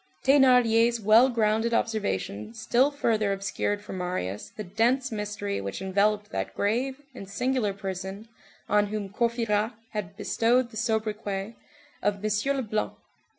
Thénardier's well grounded observation still further obscured for Marius the dense mystery which enveloped that grave and singular person on whom Courfeyrac had bestowed the sobriquet of Monsieur Leblanc.